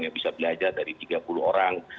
yang bisa belajar dari tiga puluh orang